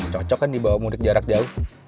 cocok kan dibawa mudik jarak jauh